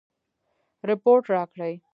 رپوټ راکړي.